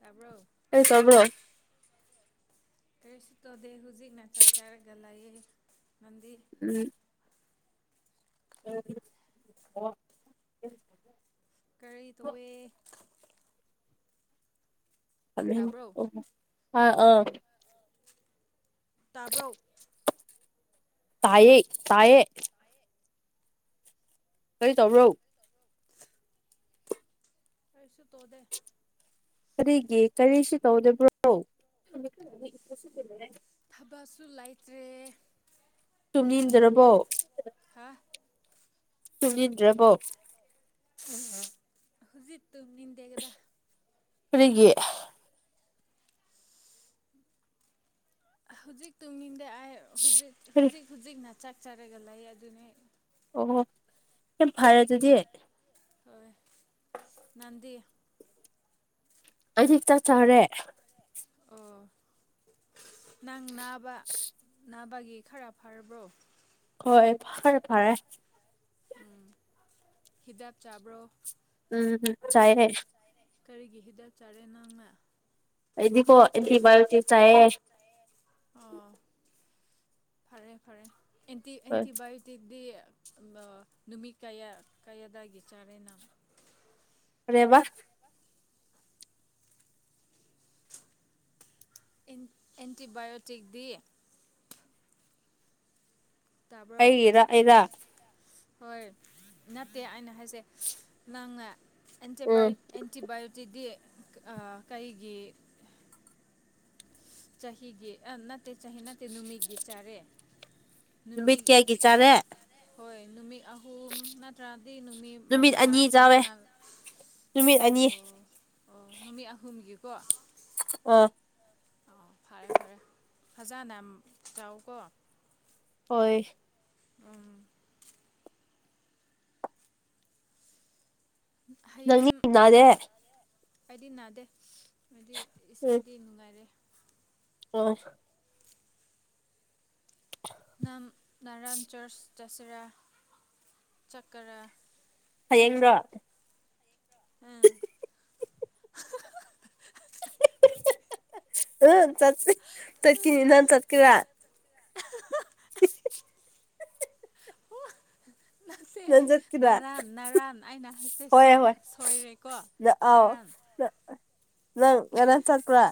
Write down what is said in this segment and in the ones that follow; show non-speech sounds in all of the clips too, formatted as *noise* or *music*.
ꯇꯥꯕ꯭ꯔꯣ ꯑꯩ ꯇꯥꯕ꯭ꯔꯣ ꯀꯔꯤꯁꯨ ꯇꯧꯗꯦ ꯍꯨꯖꯤꯛꯅ ꯆꯥꯛ ꯆꯥꯔꯒ ꯂꯩꯌꯦ ꯅꯪꯗꯤ ꯎꯝ *unintelligible* ꯀꯔꯤ ꯇꯧꯋꯦ ꯇꯥꯕ꯭ꯔꯣ ꯍꯥꯏ ꯑꯥ ꯇꯥꯕ꯭ꯔꯣ ꯇꯥꯏꯌꯦ ꯇꯥꯏꯌꯦ ꯀꯔꯤ ꯇꯧꯕ꯭ꯔꯧ ꯑꯩꯁꯨ ꯇꯣꯗꯦ ꯀꯔꯤꯒꯤ ꯀꯔꯤꯁꯨ ꯇꯧꯗꯕ꯭ꯔꯣ ꯊꯕꯛꯁꯨ ꯂꯩꯇ꯭ꯔꯦ ꯑꯗꯨꯅꯦ ꯇꯨꯝꯅꯤꯡꯗ꯭ꯔꯕꯣ ꯍꯥ ꯇꯨꯝꯅꯤꯟꯗ꯭ꯔꯕꯣ ꯍꯧꯖꯤꯛ ꯇꯨꯝꯅꯤꯡꯗꯦꯒꯗ ꯀꯔꯤꯒꯤ ꯍꯧꯖꯤꯛ ꯇꯨꯡꯅꯤꯡꯗ ꯑꯩ ꯍꯧꯖꯤꯛ ꯀꯔꯤ ꯍꯧꯖꯤꯛ ꯍꯧꯖꯤꯛꯅ ꯆꯥꯛ ꯆꯥꯔꯒ ꯂꯩ ꯑꯗꯨꯅꯦ ꯑꯣꯍꯣ ꯌꯥꯝ ꯐꯔꯦ ꯑꯗꯨꯗꯤ ꯍꯣꯏ ꯅꯪꯗꯤ ꯑꯩꯗꯤ ꯆꯥꯛ ꯆꯥꯔꯦ ꯑꯣ ꯅꯪ ꯅꯥꯕ ꯅꯥꯕꯒꯤ ꯈꯔ ꯐꯔꯕ꯭ꯔꯣ ꯍꯣꯏ ꯐꯔꯦ ꯐꯔꯦ ꯎꯝ ꯍꯤꯗꯥꯛ ꯆꯥꯕ꯭ꯔꯣ ꯎꯝ ꯆꯥꯏꯌꯦ ꯀꯔꯤꯒꯤ ꯍꯤꯗꯥꯛ ꯆꯥꯔꯦ ꯅꯪꯅ ꯑꯩꯗꯤꯀꯣ ꯑꯦꯟꯇꯤ ꯕꯥꯌꯣꯇꯤꯛ ꯆꯥꯏꯌꯦ ꯑꯣ ꯐꯔꯦ ꯐꯔꯦ ꯑꯦꯟꯇꯤ ꯑꯦꯟꯇꯤꯕꯥꯏꯌꯨꯁ ꯇꯤꯛꯗꯤ ꯑꯃ ꯅꯨꯃꯤꯠ ꯀꯌꯥ ꯀꯌꯥꯗꯒꯤ ꯆꯥꯔꯦ ꯅꯪ ꯀꯔꯤ ꯍꯥꯏꯕ ꯏꯟ ꯑꯦꯟꯇꯤꯕꯥꯏꯌꯣꯇꯤꯛꯗꯤ ꯇꯥꯕ꯭ꯔꯣ ꯑꯩꯒꯤꯔ ꯑꯩꯔ ꯍꯣꯏ ꯅꯠꯇꯦ ꯑꯩꯅ ꯍꯥꯏꯁꯦ ꯅꯪꯅ ꯎꯝ ꯑꯦꯟꯇꯤꯕꯥꯏꯠ ꯑꯦꯟꯇꯤꯕꯥꯏꯌꯣꯇꯤꯛꯇꯤ ꯑꯥ ꯀꯩꯒꯤ ꯆꯍꯤꯒꯤ ꯅꯠꯇꯦ ꯆꯍꯤ ꯅꯠꯇꯦ ꯅꯨꯃꯤꯠꯒꯤ ꯆꯥꯔꯦ ꯅꯨꯃꯤꯠ ꯀꯌꯥꯒꯤ ꯆꯥꯔꯦ ꯍꯣꯏ ꯅꯨꯃꯤꯠ ꯑꯍꯨꯝ ꯅꯠꯇ꯭ꯔꯗꯤ ꯅꯨꯃꯤꯠ ꯃꯉꯥ ꯑꯅꯤ ꯆꯥꯋꯦ ꯁꯨꯃꯥꯏꯅ ꯅꯨꯃꯤꯠ ꯑꯅꯤ ꯑꯣ ꯑꯣ ꯅꯨꯃꯤꯠ ꯑꯍꯨꯝꯒꯤꯀꯣ ꯑꯣ ꯑꯣ ꯐꯔꯦ ꯐꯔꯦ ꯐꯖꯅ ꯇꯧꯀꯣ ꯍꯣꯏ ꯎꯝ ꯅꯪꯗꯤ ꯍꯌꯦꯡ ꯅꯥꯗꯦ ꯑꯩꯗꯤ ꯅꯥꯗꯦ ꯍꯥꯏꯗꯤ ꯎꯝ ꯏꯁꯥꯗꯤ ꯅꯨꯡꯉꯥꯏꯔꯦ ꯑꯣ ꯅꯪ ꯅꯔꯥꯡ ꯆ꯭ꯔꯁ ꯆꯆꯔꯥ ꯆꯀꯔꯥ ꯍꯌꯦꯡꯗꯣ ꯎꯝ ꯎ ꯆꯠꯄꯤ ꯆꯠꯀꯤꯅꯤ ꯅꯥꯟ ꯆꯠꯀꯤꯔ ꯍꯥꯥ ꯍꯥ ꯎ ꯁꯦ ꯅꯪ ꯆꯠꯀꯦꯔꯥ ꯅꯔꯥꯟ ꯅꯔꯥꯟ ꯑꯩꯅ ꯍꯥꯏꯁꯦ ꯍꯣꯏ ꯍꯣꯏ ꯁꯣꯏꯔꯦꯀꯣ ꯑꯥꯎ ꯅꯔꯥꯟ *inaudible* ꯅꯪ ꯉꯔ ꯆꯠꯄ꯭ꯔꯣ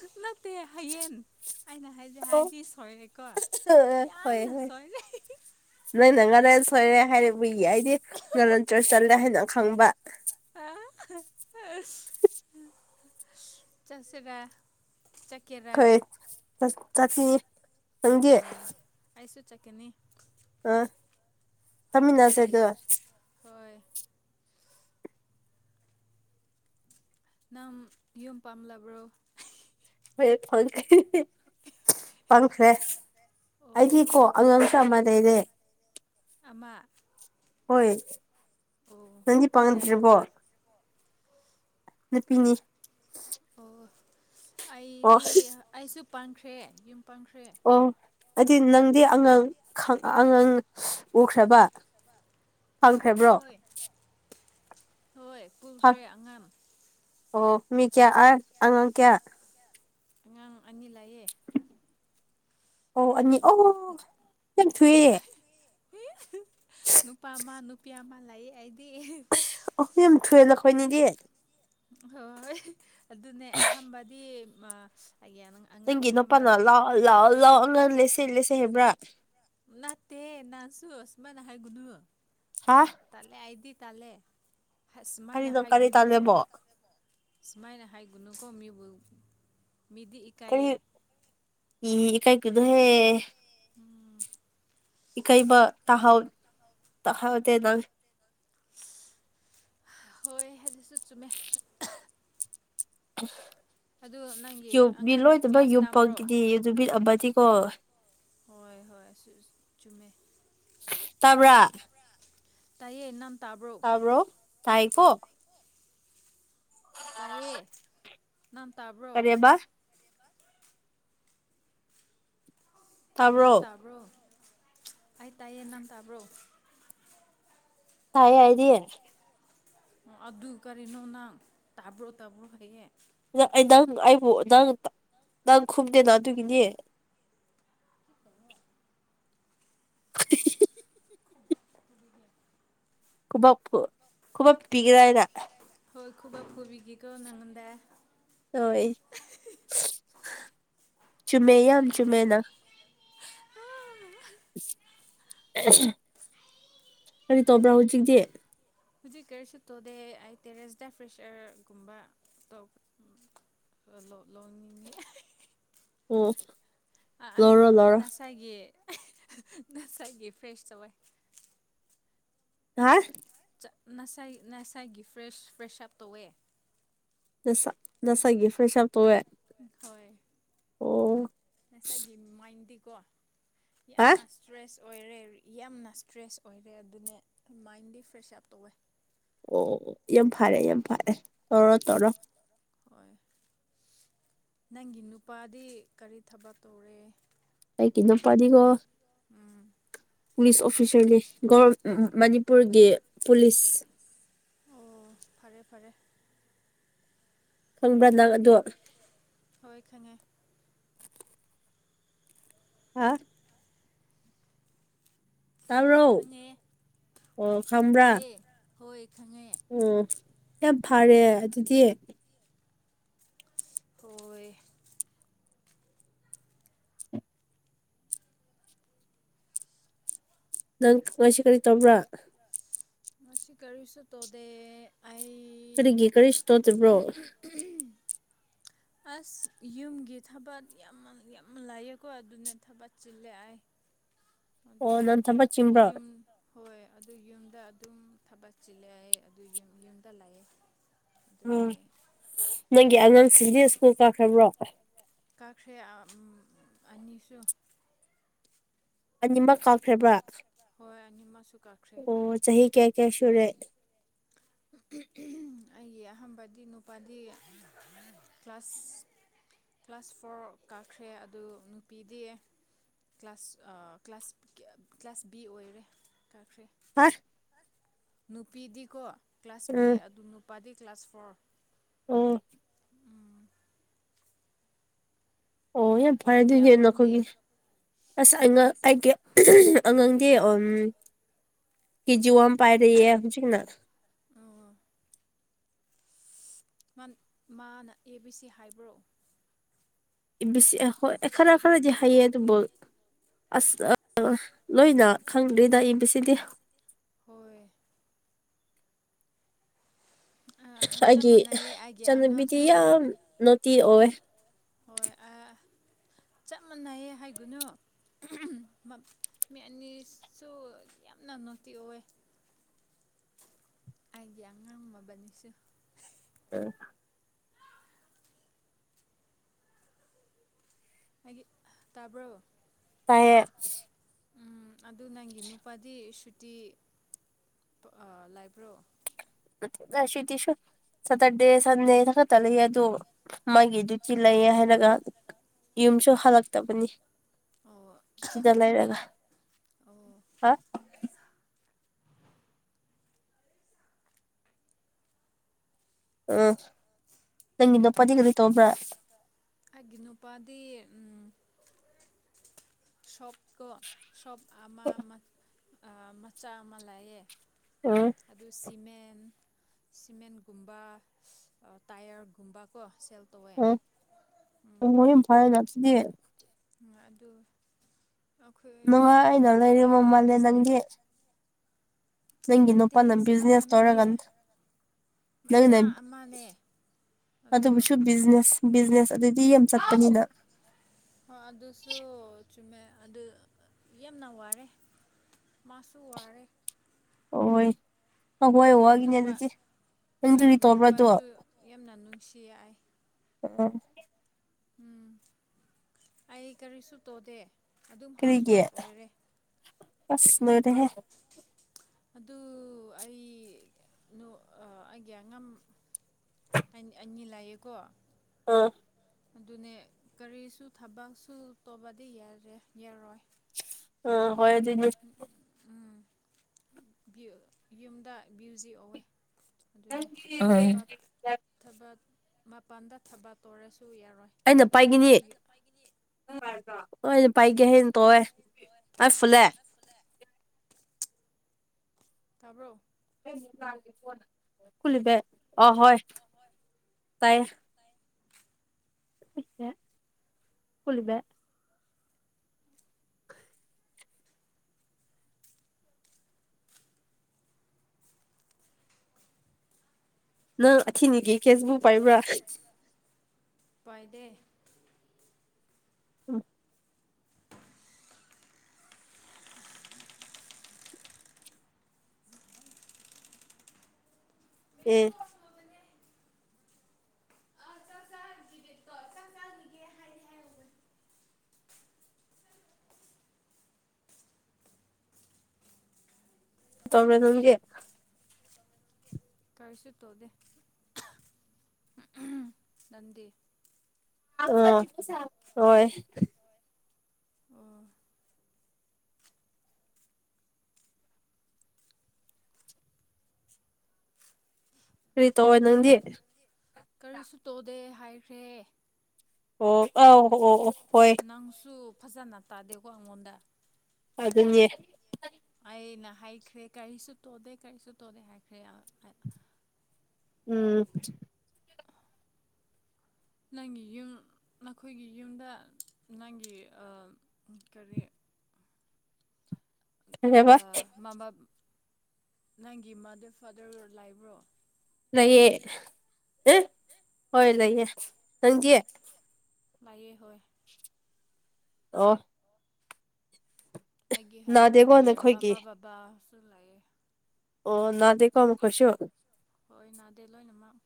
ꯑꯗꯨꯠ ꯅꯠꯇꯦ ꯍꯌꯦꯡ ꯑꯩꯅ ꯍꯥꯏꯗꯤ ꯑꯣ ꯍꯥꯏꯗꯤ ꯁꯣꯏꯔꯦꯀꯣ ꯍꯣꯏ ꯌꯥꯝꯅ ꯍꯣꯏ ꯁꯣꯏꯔꯦ ꯅꯪꯅ ꯉꯥꯔꯦꯟ ꯁꯣꯏꯔꯦ ꯍꯥꯏꯔꯕꯨꯏꯒꯤ ꯑꯩꯗꯤ ꯉꯔꯇ꯭ꯔ ꯆꯠꯂꯦ ꯍꯥꯏꯅ ꯈꯪꯕ ꯆꯠꯁꯤꯗ ꯆꯠ ꯈꯔꯦ ꯆ ꯑ ꯑꯩꯁꯨ ꯆꯀꯦꯅꯤ ꯑ ꯊꯝꯃꯤꯟꯅꯁꯦꯗ ꯍꯣꯏ ꯅꯪ ꯌꯨꯝ ꯄꯥꯝꯂꯕ꯭ꯔꯣ ꯍꯣꯏ ꯐꯣꯟ ꯀ ꯑꯦ ꯈꯪꯈ꯭ꯔꯦ ꯑꯩꯗꯤ ꯀꯣ ꯑꯉꯥꯡꯁꯨ ꯑꯃ ꯂꯩꯔꯦ ꯑꯃ ꯍꯣꯏ ꯑꯣ ꯅꯪꯗꯤ ꯅꯨꯄꯤꯔ ꯄꯥꯉꯟꯗ꯭꯭ꯔꯔꯤꯕꯣ ꯅꯨꯄꯥ ꯅꯨꯄꯤꯅꯤ ꯑꯣ ꯑꯣ ꯑꯩꯗꯤ ꯑꯩꯁꯨ ꯄꯥꯟꯈ꯭ꯔꯦ ꯌꯨꯝ ꯄꯥꯟꯈ꯭ꯔꯦ ꯑꯣ ꯑꯗꯨꯗꯤ ꯅꯪꯗꯤ ꯑꯉꯥꯡ ꯑꯉꯥꯡ ꯎꯈ꯭ꯔꯕ ꯐꯪꯈ꯭ꯔꯕ꯭ꯔꯣ ꯍꯣꯏ ꯍꯣꯏ ꯄꯨꯨꯈ꯭ꯔꯦ ꯑꯉꯝ ꯑꯣ ꯃꯤ ꯀꯌꯥ ꯑꯥ ꯑꯉꯥꯡ ꯀꯌꯥ ꯑꯉꯥꯡ ꯑꯅꯤ ꯂꯥꯛꯑꯦ ꯑꯣ ꯑꯅꯤ ꯑ ꯈꯤꯇꯪ ꯊꯣꯛꯨꯑꯦ ꯅꯨꯄꯥ ꯑꯃ ꯅꯨꯄꯤ ꯑꯃ ꯂꯥꯛꯌꯦ ꯑꯩꯗꯤ ꯑꯣꯏ ꯊꯣꯏꯋ ꯂꯧꯈꯣꯏꯅꯤꯗꯤꯦ ꯍꯣꯏ ꯍꯣꯏ ꯑꯗꯨꯅꯦ ꯑꯍꯝꯕꯗꯤ ꯀꯒꯤ ꯅꯪꯒꯤ ꯅꯨꯄꯥꯅ ꯂꯥꯛꯑꯣ ꯂꯥꯛꯑꯣ ꯂꯥꯛꯑꯣ ꯑꯉꯜꯂꯦꯁꯦꯠꯂꯦꯁꯦ ꯍꯥꯏꯕ꯭ꯔꯥ ꯅꯅꯥ ꯇꯦ ꯅꯥꯟꯁꯨꯨ ꯁꯃꯥꯏ ꯅꯍꯥꯏꯒꯨꯅꯨ ꯍꯥ ꯇꯜꯂꯦ ꯑꯩꯗꯤ ꯇꯜꯂꯦ ꯍꯁ ꯁꯨꯃꯥꯏꯅ ꯀꯔꯤꯅꯣ ꯀꯔꯤ ꯍꯥꯏꯒꯨꯅꯨ ꯇꯥꯜꯂꯦꯕꯣ ꯁꯨꯃꯥꯏꯅ ꯍꯥꯏꯒꯨꯅꯨꯀꯣ ꯃꯤꯕꯨ ꯃꯤꯗꯤ ꯀꯔꯤ ꯏꯀꯥꯏꯌꯦ ꯏ ꯏꯀꯥꯏ ꯒꯅꯨꯍꯦ ꯏꯀꯥꯏꯕ ꯇꯍꯧ ꯇꯍꯥꯎꯗꯦ ꯅꯪ ꯍꯣꯏ ꯑꯗꯨꯁꯨ ꯆꯨꯝꯃꯦ ꯑꯗꯨ ꯅꯪꯒꯤ ꯌꯨꯝꯕꯤ ꯑꯉꯥꯡꯗꯤ ꯂꯣꯏꯗꯃꯛ ꯀ꯭ꯂꯥꯁ ꯇꯝꯕ꯭ꯔꯣ ꯌꯨꯝꯐꯝꯪꯒꯤꯗꯤ ꯅꯨꯃꯤꯠ ꯑꯃꯗꯤꯀꯣ ꯍꯣꯏ ꯍꯣꯏ *unintelligible* ꯆꯨꯝꯃꯦ ꯇꯥꯕ꯭ꯔꯥ ꯇꯥꯏꯌꯦ ꯅꯪ ꯇꯥꯕ꯭ꯔꯣ ꯇꯥꯕ꯭ꯔꯣ ꯇꯥꯏ ꯀꯣ ꯇꯥꯏꯌꯦ ꯅꯪ ꯇꯥꯕ꯭ꯔꯣ ꯀꯔꯤꯕ ꯅꯪ ꯇꯥꯕ꯭ꯔꯣ ꯑꯩ ꯇꯥꯏꯌꯦ ꯅꯪ ꯇꯥꯕ꯭ꯔꯣ ꯇꯥꯏ ꯑꯩꯗꯤ ꯑꯗꯨ ꯀꯔꯤꯅꯣ ꯅꯪ ꯇꯥꯕ꯭ꯔꯣ ꯇꯥꯕ꯭ꯔꯣ ꯍꯥꯏꯌꯦ ꯑꯩ ꯅꯪ ꯑꯩꯕꯨ ꯅꯪ ꯅꯪ ꯈꯨꯝꯗꯦꯅ ꯑꯗꯨꯒꯤꯅꯤ *unintelligible* ꯈꯨꯕꯥꯛꯄꯨ ꯈꯨꯕꯞ ꯄꯤꯒꯦꯔ ꯍꯥꯏꯅ ꯍꯣꯏ ꯈꯨꯕꯥꯛ ꯈꯨꯨꯕꯤꯒꯤꯀꯣ ꯅꯪꯉꯣꯟꯗ ꯍꯣꯏ ꯆꯨꯝꯃꯦ ꯌꯥꯝ ꯆꯨꯝꯃꯦꯅ *unintelligible* ꯀꯔꯤ ꯇꯧꯕ꯭ꯔꯥ ꯍꯧꯖꯤꯛꯇꯤ ꯍꯧꯖꯤꯛ ꯀꯔꯤꯁꯨꯠ ꯇꯣꯗꯦ ꯑꯩ ꯇꯦꯔꯦꯁ ꯇ ꯐ꯭ꯔꯦꯁꯔꯒꯨꯝꯕ ꯇ *unintelligible* ꯑꯣ ꯂꯧꯔꯣ *unintelligible* ꯂꯧꯔꯣ ꯉꯁꯥꯏꯒꯤ ꯉꯁꯥꯏꯒꯤ ꯐ꯭ꯔꯦꯁ ꯇꯧꯋꯦ *unintelligible* ꯅꯁꯥꯏ ꯅꯁꯥꯏꯒꯤ ꯐ꯭ꯔꯦꯁ ꯐ꯭ꯔꯦꯁ ꯑꯞ ꯇꯧꯋꯦ ꯅꯁ ꯅꯁꯒꯤ ꯐ꯭ꯔꯦꯁ ꯑꯞ ꯇꯧꯋꯦ ꯍꯣꯏ ꯑꯣ ꯅꯁꯥꯏꯒꯤ ꯃꯥꯏꯟꯗꯤꯀꯣ ꯍꯥ ꯌꯥꯝꯅ ꯁ꯭ꯇ꯭ꯔꯦꯁ ꯑꯣꯏꯔꯦ ꯌꯥꯝꯅ ꯏꯁ꯭ꯇ꯭ꯔꯦꯁ ꯑꯣꯏꯔꯦ ꯑꯗꯨꯅꯦ ꯃꯥꯏꯟꯗꯤ ꯐ꯭ꯔꯦꯁ ꯑꯞ ꯇꯧꯋꯦ ꯑꯣ ꯌꯥꯝ ꯐꯔꯦ ꯌꯥꯝ ꯐꯔꯦ ꯇꯧꯔꯣ ꯇꯧꯔꯣ ꯍꯣꯏ ꯅꯪꯒꯤ ꯅꯨꯄꯥꯗꯤ ꯀꯔꯤ ꯊꯕꯛ ꯇꯧꯔꯦ ꯑꯩꯒꯤ ꯅꯨꯄꯥꯗꯤꯀꯣ ꯎꯝ ꯄꯨꯂꯤꯁ ꯑꯣꯐꯤꯁꯥꯔꯒꯤ *unintelligible* ꯃꯅꯤꯄꯨꯔꯒꯤ ꯄꯨꯂꯤꯁ ꯑꯣ ꯐꯔꯦ ꯐꯔꯦ ꯈꯪꯕ꯭ꯔꯥ ꯅꯪ ꯑꯗꯣ *inaudible* ꯍꯣꯏ ꯈꯪꯉꯦ ꯍꯥ ꯇꯥꯕ꯭ꯔꯣ ꯈꯪꯉꯦ ꯑꯣ ꯈꯪꯕ꯭ꯔ ꯇꯥꯏꯌꯦ ꯍꯣꯏ ꯈꯪꯉꯦ ꯌꯥꯝ ꯐꯔꯦ ꯑꯗꯨꯗꯤ ꯍꯣꯏ ꯅꯪ ꯉꯁꯤ ꯀꯔꯤ ꯇꯧꯕ꯭ꯔꯥ ꯇꯁ ꯉꯁꯤ ꯀꯔꯤꯁꯨ ꯇꯧꯗꯦ ꯑꯩ ꯀꯔꯤꯒꯤ ꯀꯔꯤꯁꯨ ꯇꯧꯗꯕ꯭ꯔꯣ *unintelligible* ꯑꯁ ꯌꯨꯝꯒꯤ ꯊꯕꯛ ꯌꯥꯝ ꯌꯥꯝ ꯂꯥꯛꯑꯦꯀꯣ ꯑꯗꯨꯅ ꯊꯕꯛ ꯆꯤꯜꯂꯦ ꯑꯩ ꯑꯗꯨ ꯑꯣ ꯅꯪ ꯊꯕꯛ ꯆꯤꯟꯕ꯭ꯔꯣ ꯌꯨꯝ ꯍꯣꯏ ꯑꯗꯨ ꯌꯨꯝꯗ ꯑꯗꯨꯝ ꯊꯕꯛ ꯆꯤꯜꯂꯦ ꯑꯩ ꯑꯗꯨ ꯌꯨ ꯌꯨꯝꯗ ꯂꯩꯑꯦ ꯑꯗꯨꯝ ꯎꯝ ꯂꯩ ꯅꯪꯒꯤ ꯑꯉꯥꯡ ꯁꯤꯡꯗꯤ ꯁ꯭ꯀꯨꯜ ꯀꯥꯈ꯭ꯔꯕ꯭ꯔꯣ ꯀꯥꯈ꯭ꯔꯦ ꯑꯥ ꯎꯝ ꯑꯅꯤꯁꯨ ꯑꯅꯤꯃꯛ ꯀꯥꯈ꯭ꯔꯕ꯭ꯔꯥ ꯍꯣꯏ ꯑꯅꯤꯃꯛꯁꯨ ꯀꯥ ꯑꯣ ꯆꯍꯤ ꯀꯌꯥ ꯀꯌꯥ ꯁꯨꯔꯦ ꯑꯩꯒꯤ ꯑꯍꯥꯟꯕꯗꯤ ꯅꯨꯄꯥꯗꯤ ꯀ꯭ꯂꯥꯁ ꯀ꯭ꯂꯥꯁ ꯐꯣꯔ ꯀꯥꯈ꯭ꯔꯦ ꯑꯗꯨ ꯅꯨꯄꯤꯗꯤ ꯀ꯭ꯂꯥꯁ ꯑꯥ ꯀ꯭ꯂꯥꯁ ꯀ꯭ꯂꯥꯁ ꯕꯤ ꯑꯣꯏꯔꯦ ꯀꯥꯈ꯭ꯔꯦ ꯍ ꯅꯨꯄꯤꯗꯤꯀꯣ ꯀ꯭ꯂꯥꯁ ꯕꯤ ꯎꯝ ꯑꯗꯨ ꯅꯨꯄꯥꯗꯤ ꯀ꯭ꯂꯥꯁ ꯐꯣꯔ ꯑꯣ ꯑꯣ ꯌꯥꯝ ꯐꯔꯦ ꯅꯪꯒꯤ ꯑꯗꯨꯏꯗꯤ ꯑꯉꯥꯡꯗꯤ ꯅꯈꯣꯏꯒꯤ ꯑꯁ ꯑꯉꯥꯡ ꯑꯩꯒꯤ ꯑꯉꯥꯡꯗꯤ ꯀꯖꯤ ꯋꯥꯟ ꯄꯥꯏꯔꯤꯌꯦ ꯍꯧꯖꯤꯛꯅ *unintelligible* ꯃꯥ ꯃꯥꯅ ꯑꯦ ꯕꯤ ꯁꯤ ꯍꯥꯏꯕ꯭ꯔꯣ ꯏꯪꯂꯤꯁ ꯑ ꯍ‌ꯣꯏ ꯈꯔ ꯈꯔꯗꯤ ꯍꯩꯌ‌ꯦ ꯑꯗꯨꯕꯨ ꯑꯁ ꯑ ꯂꯣꯏꯅ ꯈꯪꯗ꯭ꯔꯤꯗ ꯑꯦꯕꯤꯁꯤꯗꯤ ꯍꯣꯏ ꯑꯥ ꯆꯞ ꯑꯩꯒꯤ ꯃꯥꯟꯅꯩꯌꯦ ꯑꯩꯒꯤ ꯑꯉꯥꯡꯁꯨ ꯏꯆꯟꯅꯨꯄꯤꯗꯤ ꯌꯥꯝ ꯅꯣꯇꯤ ꯑꯣꯏ ꯍꯣꯏ ꯑꯥ‌ ꯆꯞ ꯃꯥꯟꯅꯩꯌꯦ ꯍꯥꯏꯒꯅꯨ ꯃꯤ ꯑꯅꯤꯁꯨ ꯌꯥꯝꯅ ꯅ‌ꯣꯠꯇꯤ ꯑꯣꯏ ꯑꯩꯒꯤ ꯑꯉꯥꯡ ꯃꯕꯟꯅꯤꯁ‌ꯦ ꯑ ꯍꯥꯏꯒꯤ ꯇꯥꯕ꯭ꯔꯣ ꯇꯥꯏꯌꯦ ꯎꯝ ꯑꯗꯨ ꯅꯪꯒꯤ ꯅꯨꯄꯥꯗꯤ ꯁꯨꯇꯤ ꯑꯥ ꯂꯩꯕ꯭ꯔꯣ ꯁꯨꯇꯤꯁꯨ ꯁꯇꯔꯗꯦ ꯁꯟꯗꯦꯗ ꯈꯛꯇ ꯂꯩꯌꯦ ꯑꯗꯣ ꯃꯥꯒꯤ ꯗꯤꯌꯨꯇꯤ ꯂꯩꯌꯦ ꯍꯥꯏꯔꯒ ꯌꯨꯝꯁꯨ ꯍꯜꯂꯛꯇꯕꯅꯤ ꯑꯣ ꯁꯤꯗ ꯂꯩꯔꯒ ꯑꯣ ꯍꯥ ꯎ ꯅꯪꯒꯤ ꯅꯨꯄꯥꯗꯤ ꯀꯔꯤ ꯇꯧꯕ꯭ꯔꯥ ꯑꯩꯒꯤ ꯅꯨꯄꯥꯗꯤ ꯎꯝ ꯁꯣꯞꯀꯣ ꯁꯣꯞ ꯑꯃ ꯑꯥ ꯃꯆꯥ ꯑꯃ ꯂꯩꯌ‌ꯦ *unintelligible* ꯑꯗꯨ ꯁꯤꯃꯦꯟ ꯁꯤꯃꯦꯟꯒꯨꯝꯕ ꯇꯥꯏꯌꯔꯒꯨꯝꯕꯀꯣ ꯁꯨꯝ ꯇꯧꯌ‌ꯦ ꯎꯝ ꯎꯝ *unintelligible* ꯎꯝ ꯑꯗꯨ ꯑꯩꯈꯣꯏ ꯅꯨꯡꯉꯥꯏꯅ ꯑꯩꯈꯣꯏ ꯂꯩꯔꯕ ꯃꯥꯕꯟꯅꯤ ꯃꯥꯜꯂꯦ ꯅꯪꯗꯤ ꯕꯤꯖꯤꯅꯦꯁ ꯅꯪꯒꯤ ꯅꯨꯄꯥ ꯅꯠꯇꯦꯍꯦ ꯅ ꯁꯨꯃꯥꯏꯅ ꯕꯤꯖꯤꯅꯦꯁ ꯅꯠꯇꯦ ꯇꯧꯔꯒꯥ ꯃꯆꯥ ꯅꯪꯅ ꯑꯃꯅꯦ ꯑꯗꯨ *unintelligible* ꯕꯤꯖꯤꯅꯦꯁ ꯕꯤꯖꯤꯅꯦꯁ ꯑꯗꯨꯗꯤ ꯌꯥꯝ ꯆꯠꯄꯅꯤꯅ ꯍꯣꯏ ꯑꯗꯨꯁꯨ ꯆꯨꯝꯃꯦ ꯑꯗꯨ ꯌꯥꯝꯅ ꯋꯥꯔꯦ ꯃꯥꯁꯨ ꯋꯥꯔꯦ ꯍꯣꯏ ꯍ ꯍꯣꯏ ꯑꯩꯒꯤ ꯋꯥꯒꯤꯅꯦ ꯅꯨꯄꯥ ꯑꯗꯨꯗꯤ ꯍꯣꯏ ꯅꯪꯗꯨꯨꯗꯤ ꯑꯩꯒꯤ ꯇꯧꯕ꯭ꯔꯥꯗꯣ ꯅꯨꯄꯥꯁꯨ ꯌꯥꯝꯅ ꯅꯨꯡꯁꯤꯌ‌ꯦ ꯑꯩ *unintelligible* ꯎꯝ ꯑꯩ ꯀꯔꯤꯁꯨ ꯇꯧꯗꯦ ꯑꯗꯨꯝ ꯍꯥꯎꯁ ꯀꯔꯤꯒꯤ ꯋꯥꯏꯐ ꯑꯣꯏꯔꯦ ꯑꯁ ꯂꯣꯏꯔꯦꯍꯦ ꯑꯗꯨ ꯑꯩ ꯅꯨ ꯑ ꯑꯩꯒꯤ ꯑꯉꯝ ꯑꯟ ꯑꯅꯤ ꯂꯩꯌꯦꯀꯣ ꯎꯝ ꯑꯗꯨꯅꯦ ꯀꯔꯤꯁꯨ ꯊꯕꯛꯁꯨ ꯇꯧꯕꯗꯤ ꯌꯥꯔꯦ ꯌꯥꯔꯣꯏ ꯎꯝ ꯍꯣꯏ ꯑꯗꯨꯏꯅ ꯎꯝ ꯕ꯭ꯌꯨ ꯌꯨꯝꯗ ꯕ꯭ꯌꯨꯖꯤ ꯑꯋꯦ ꯑꯗꯨꯅꯦ ꯎꯝ ꯊꯕꯠ ꯑꯩꯅ ꯊꯕꯠ ꯃꯄꯥꯟꯗ ꯊꯕꯛ ꯇꯧꯔꯁꯨ ꯌꯥꯔꯣꯏ ꯑꯩꯅ ꯄꯥꯏꯒꯅꯤ ꯑꯩꯒꯤ ꯍꯣꯏ ꯑꯩꯅ ꯄꯥꯏꯒꯦ ꯍꯥꯏꯅ ꯇꯧꯋꯦ ꯑꯩ ꯐꯨꯜꯂꯦ *unintelligible* *unintelligible* ꯑ ꯍꯣꯏ ꯇꯥꯏꯌꯦ *unintelligible* *unintelligible* ꯅꯪ ꯑꯊꯤꯅꯤꯒꯤ ꯀꯦꯁꯕꯨ ꯄꯥꯏꯕ꯭ꯔꯥ ꯄꯥꯏꯗꯦ ꯎꯝ ꯑꯦ ꯇꯤꯀꯦꯠꯇꯣ ꯆꯥꯛ ꯆꯥꯒꯤꯒꯦ ꯍꯥꯏ ꯍꯥꯏꯍꯧꯕꯅꯤ *unintelligible* ꯀꯔꯤꯁꯨ ꯇꯧꯗꯦ ꯅꯟꯗꯤ ꯑꯣ ꯍꯣꯏ ꯑꯣ ꯀꯔꯤ ꯇꯧꯋꯦ ꯑꯗꯨ ꯅꯪꯗꯤ ꯀꯔꯤꯁꯨ ꯇꯣꯗꯦ ꯍꯥꯏꯈ꯭ꯔꯦ ꯑꯣ ꯑꯧ ꯍꯣ ꯑꯣ ꯑꯣ ꯍꯣꯏ ꯅꯪꯁꯨ ꯐꯖꯅ ꯇꯥꯗꯦꯀꯣ ꯑꯉꯣꯟꯗ ꯑꯗꯨꯅꯦ ꯑꯩꯅ ꯍꯥꯏꯈ꯭ꯔꯦ ꯀꯔꯤꯁꯨ ꯇꯣꯗꯦ ꯀꯔꯤꯁꯨ ꯇꯣꯗꯦ ꯍꯥꯏꯈ꯭ꯔꯦ ꯑ ꯎꯝ ꯅꯪꯒꯤ ꯌꯨꯝ ꯅꯈꯣꯏꯒꯤ ꯌꯨꯝꯗ ꯅꯪꯒꯤ ꯑ ꯀꯔꯤ ꯀꯩꯕ ꯑ ꯃꯥꯃꯞ ꯅꯪꯒꯤ ꯃꯥꯗꯔ ꯐꯥꯗꯔ ꯂꯥꯏꯕ꯭ꯔꯣ ꯂꯩꯑ ꯑ ꯍꯣꯏ ꯂꯩꯌꯦ ꯅꯪꯗꯤ ꯂꯩꯌꯦ ꯍꯣꯏ ꯑꯣ ꯑꯩꯒꯤ ꯅꯥꯗꯦꯀꯣ ꯍꯁꯕꯦꯟꯒꯤ ꯅꯈꯣꯏꯒꯤ ꯃꯃꯥ ꯕꯕꯥꯁꯨ ꯂꯩꯥꯑꯦ ꯑꯣ ꯅꯗꯦꯀꯣ ꯃꯈꯣꯏꯁꯨ ꯍꯣꯏ ꯅꯥꯗꯦ ꯂꯣꯏꯅꯃꯛ